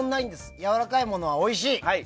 やわらかいものはおいしい。